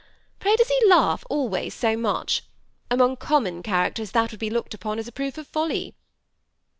Pray does he always laugh so much ? amongst common char acters that would be looked upon as a proof of folly."